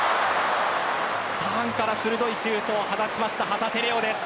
ターンから鋭いシュートを放ちました、旗手です。